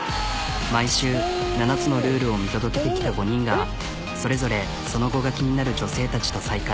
毎週７つのルールを見届けてきた５人がそれぞれその後が気になる女性たちと再会。